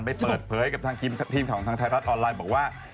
เปิดเผยกับทางทีมของทางไทยรัฐออนไลน์บอกว่า